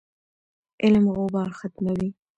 علم غبار ختموي.